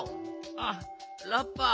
あっラッパー。